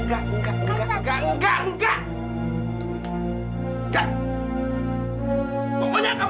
enggak enggak enggak enggak enggak enggak